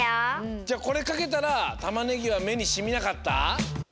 じゃあこれかけたらタマネギはめにしみなかった？